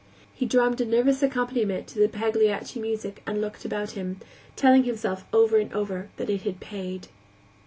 He drummed a nervous accompaniment to the Pagliacci music and looked about him, telling himself over and over that it had paid.